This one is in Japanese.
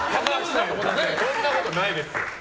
そんなことないですよ。